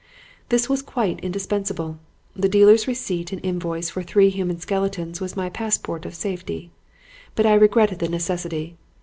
This was quite indispensable. The dealer's receipt and invoice for three human skeletons was my passport of safety. But I regretted the necessity.